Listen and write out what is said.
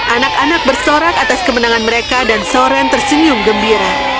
anak anak bersorak atas kemenangan mereka dan soren tersenyum gembira